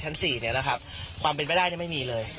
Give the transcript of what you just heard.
ชั้นสี่เนี่ยนะครับความเป็นไปได้เนี่ยไม่มีเลย